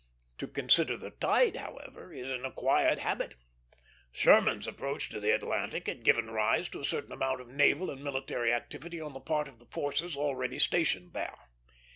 To consider the tide, however, is an acquired habit. Sherman's approach to the Atlantic had given rise to a certain amount of naval and military activity on the part of the forces already stationed there.